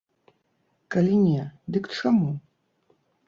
Калі не, дык чаму?